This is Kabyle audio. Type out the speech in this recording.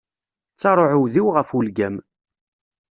Ttaṛ uɛudiw ɣef ulgam.